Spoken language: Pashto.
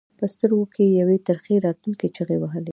په سترګو کې یې یوې ترخې راتلونکې چغې وهلې.